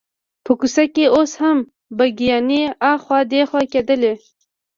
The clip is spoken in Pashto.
په کوڅه کې اوس هم بګیانې اخوا دیخوا کېدلې.